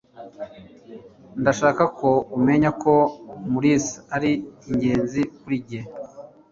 Ndashaka ko umenya ko Mulisa ari ingenzi kuri njye.